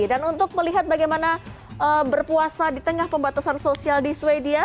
dan untuk melihat bagaimana berpuasa di tengah pembatasan sosial di swedia